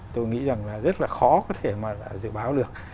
tôi nghĩ rằng là rất là khó có thể mà dự báo được